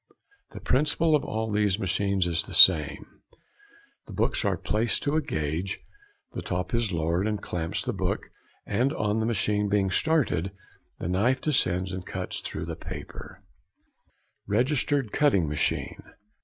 The principle of all these machines is the same: the books are placed to a gauge, the top is lowered and clamps |66| the book, and, on the machine being started, the knife descends and cuts through the paper. [Illustration: Registered Cutting Machine.